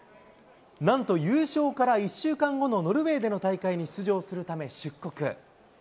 なんと優勝から１週間後のノルウェーでの大会に出場するため出国。